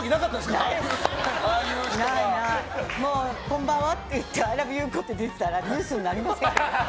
こんばんはって言ってアイラブ優子って出てたらニュースになりませんからね。